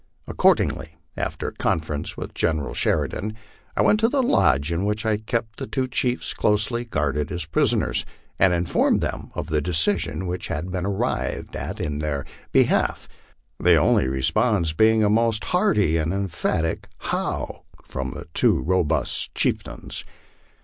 Accordingly, after conference with General Sheridan, I went to the lodge in which I kept the two chiefs closely guarded as prisoners, and informed them of the decision which had been arrived at in their be half, the only response being a most hearty and emphatic "How" from the two robust chieftains.